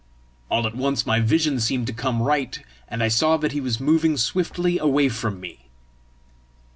All at once my vision seemed to come right, and I saw that he was moving swiftly away from me.